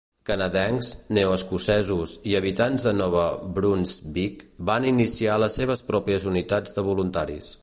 Canadencs, neoescocesos i habitants de Nova Brunsvic van iniciar les seves pròpies unitats de voluntaris.